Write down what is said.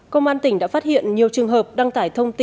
công an tỉnh đã phát hiện nhiều trường hợp đăng tải thông tin